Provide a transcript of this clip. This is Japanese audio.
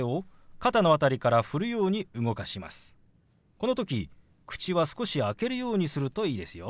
この時口は少し開けるようにするといいですよ。